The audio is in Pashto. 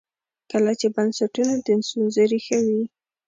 کله چې بنسټونه د ستونزې ریښه وي.